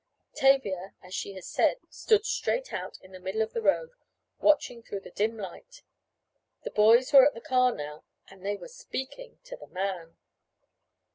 Tavia, as she had said, stood straight out in the middle of the road, watching through the dim light. The boys were at the car now, and they were speaking to the man!